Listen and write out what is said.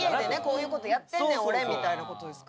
こういうことやってんねん俺みたいなことですか。